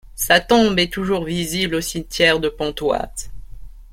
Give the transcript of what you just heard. Sa tombe est toujours visible au cimetière de Pontoise.